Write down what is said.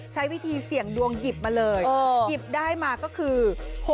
ใช้วิธีเสี่ยงดวงหยิบมาเลยหยิบได้มาก็คือ